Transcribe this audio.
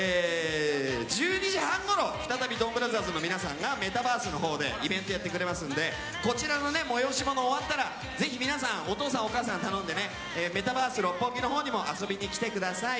１２時半ごろ再びドンブラザーズの皆さんがメタバースのほうでイベントをやってくれますのでこちらの催し物が終わったらお父さん、お母さんに頼んでメタバース六本木のほうにも遊びに来てください。